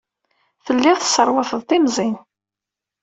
Telliḍ tesserwateḍ timẓin.